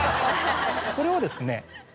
これをですね